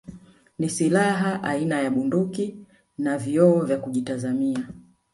Ni silaha aina ya Bunduki na vioo vya kujitazamia